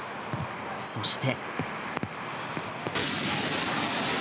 そして。